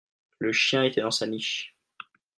le chien était dans sa niche.